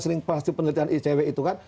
sering pasti penelitian icw itu kan